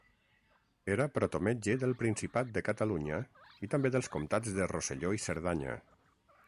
Era protometge del principat de Catalunya i també dels Comtats de Rosselló i Cerdanya.